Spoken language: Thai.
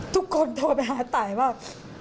ทุกคนโทรไปหาตายว่า